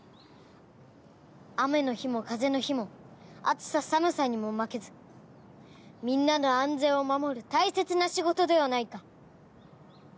雨の日も風の日も暑さ寒さにも負けずみんなの安全を守る大切な仕事ではないか。